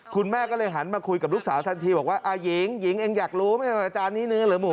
คุณแม่ก็เลยหันมาคุยกับลูกสาวทันทีบอกว่าหญิงหญิงเองอยากรู้ไหมว่าอาจารย์นี้เนื้อหรือหมู